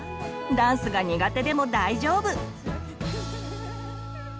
ダンスが苦手でも大丈夫！